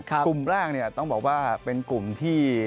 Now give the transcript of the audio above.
กลุ่มร่างเนี่ยต้องบอกว่าเป็นกลุ่มที่